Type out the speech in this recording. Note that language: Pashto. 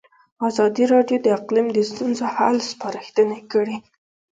ازادي راډیو د اقلیم د ستونزو حل لارې سپارښتنې کړي.